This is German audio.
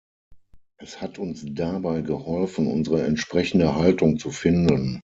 Es hat uns dabei geholfen, unsere entsprechende Haltung zu finden.